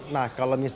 nah kalau di indonesia